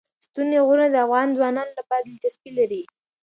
ستوني غرونه د افغان ځوانانو لپاره دلچسپي لري.